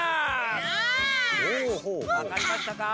わかりましたか？